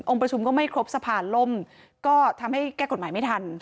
ประชุมก็ไม่ครบสะพานล่มก็ทำให้แก้กฎหมายไม่ทัน